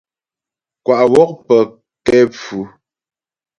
Kwa' wɔ' pə kɛ pfʉ.